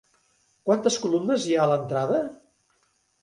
Quantes columnes hi ha a l'entrada?